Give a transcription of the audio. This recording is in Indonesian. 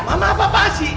mama apa apa sih